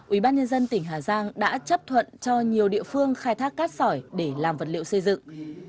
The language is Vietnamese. ubnd tỉnh hà giang đã chấp thuận cho nhiều địa phương khai thác cát sỏi để làm vật liệu xây dựng